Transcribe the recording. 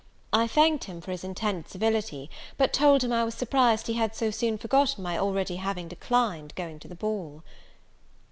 I thanked him for his intended civility, but told him I was surprised he had so soon forgotten my having already declined going to the ball.